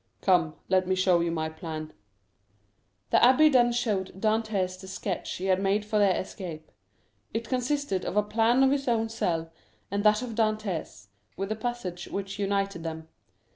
Come, let me show you my plan." The abbé then showed Dantès the sketch he had made for their escape. It consisted of a plan of his own cell and that of Dantès, with the passage which united them.